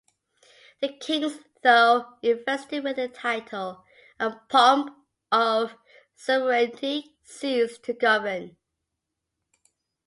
The kings, though invested with the title and pomp of sovereignty, ceased to govern.